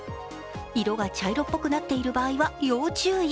色が茶色っぽくなっている場合は要注意。